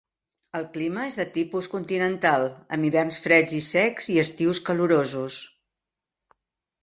El clima és de tipus continental, amb hiverns freds i secs i estius calorosos.